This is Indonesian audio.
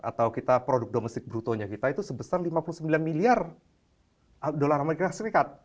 atau kita produk domestik brutonya kita itu sebesar lima puluh sembilan miliar dolar amerika serikat